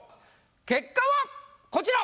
結果はこちら！